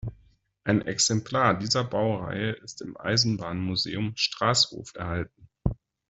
Ein Exemplar dieser Baureihe ist im Eisenbahnmuseum Strasshof erhalten.